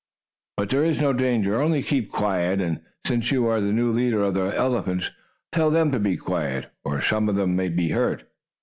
"But there is no danger. Only keep quiet, and, since you are the new leader of the elephants, tell them to be quiet, or some of them may be hurt.